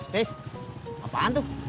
tis apaan tuh